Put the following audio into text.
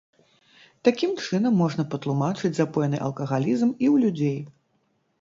Такім чынам можна патлумачыць запойны алкагалізм і ў людзей.